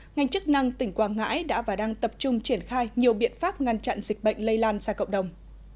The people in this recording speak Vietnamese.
ngành chức năng tỉnh quảng ngãi đã và đang tập trung triển khai nhiều biện pháp ngăn chặn dịch bệnh lây lan ra cộng đồng